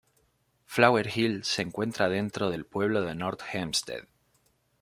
Flower Hill se encuentra dentro del pueblo de North Hempstead.